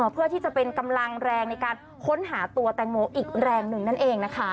เพื่อที่จะเป็นกำลังแรงในการค้นหาตัวแตงโมอีกแรงหนึ่งนั่นเองนะคะ